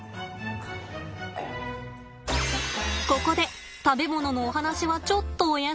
ここで食べ物のお話はちょっとお休み。